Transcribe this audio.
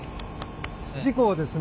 事故をですね